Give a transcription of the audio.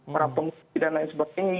para pengungsi dan lain sebagainya